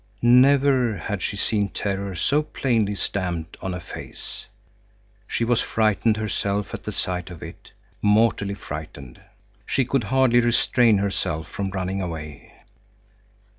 Never had she seen terror so plainly stamped on a face. She was frightened herself at the sight of it, mortally frightened. She could hardly restrain herself from running away.